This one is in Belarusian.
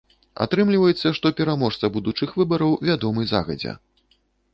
Атрымліваецца, што пераможца будучых выбараў вядомы загадзя.